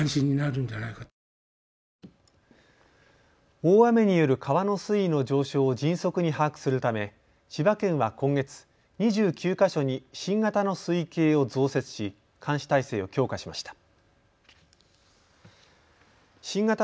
大雨による川の水位の上昇を迅速に把握するため千葉県は今月、２９か所に新型の水位計を増設し監視体制を強化しました。